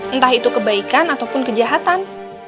entah itu kebaikan ataupun kejahatan